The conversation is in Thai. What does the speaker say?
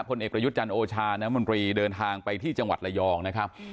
เอกประยุทธ์จันทร์โอชาน้ำมนตรีเดินทางไปที่จังหวัดระยองนะครับ